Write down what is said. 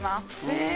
へえ。